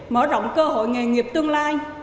mở rộng cơ hội nghề nghiệp tương lai